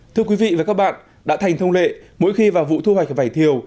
thưa quý vị và các bạn đã thành thông lệ mỗi khi vào vụ thu hoạch vải thiều